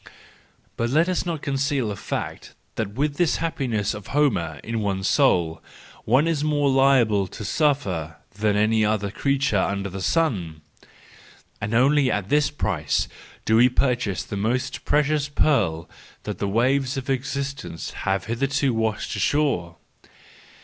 But let us not conceal the fact that with this happiness of Homer in one's soul, one is more liable to suffering than any other creature under the sun! And only at this price do we purchase the most precious pearl that the waves of existence have hitherto washed ashore!